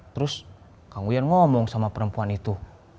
terus kang ujan ngomong sama perempuan itu